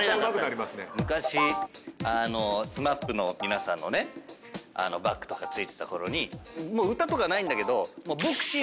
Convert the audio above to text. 昔ＳＭＡＰの皆さんのねバックとかついてたころに歌とかないんだけど。